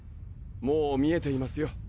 もう見えていますよ。